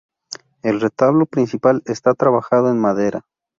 El retablo principal está trabajado en madera.